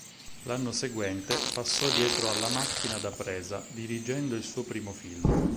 L'anno seguente passò dietro alla macchina da presa, dirigendo il suo primo film.